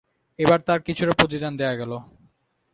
এবার তার কিছুটা প্রতিদান দেয়া গেল।